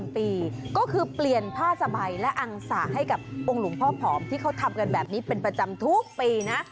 ที่เค้าทำกันแบบนี้เป็นประจำทุกปีนะ